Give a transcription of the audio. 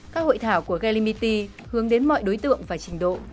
các hội thảo của galimity hướng đến mọi đối tượng và trình độ